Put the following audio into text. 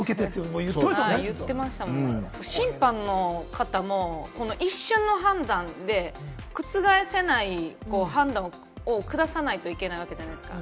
審判の方も一瞬の判断で、覆せない判断をくださないといけないわけじゃないですか。